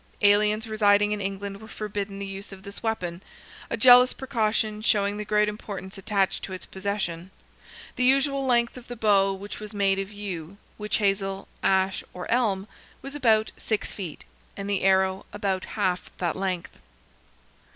Aliens residing in England were forbidden the use of this weapon—a jealous precaution showing the great importance attached to its possession. The usual length of the bow—which was made of yew, witch hazel, ash, or elm—was about six feet; and the arrow, about half that length.